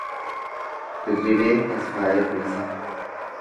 Dirribee Tasfayee Tolasaa